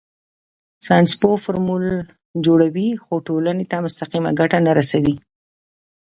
ساینسپوه فورمول جوړوي خو ټولنې ته مستقیمه ګټه نه رسوي.